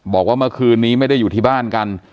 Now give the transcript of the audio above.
บอกว่าเมื่อคืนนี้ไม่ได้อยู่ที่บ้านกัน